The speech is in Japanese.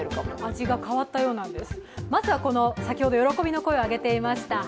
味が変わったようなんです。